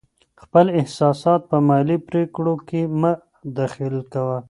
خپل احساسات په مالي پرېکړو کې مه دخیل کوه.